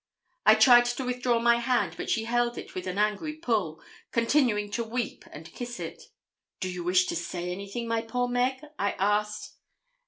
I tried to withdraw my hand, but she held it with an angry pull, continuing to weep and kiss it. 'Do you wish to say anything, my poor Meg?' I asked.